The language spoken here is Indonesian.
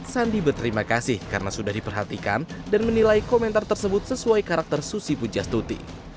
sandi berterima kasih karena sudah diperhatikan dan menilai komentar tersebut sesuai karakter susi pujastuti